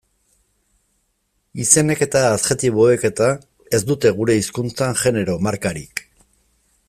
Izenek eta adjektiboek eta ez dute gure hizkuntzan genero markarik.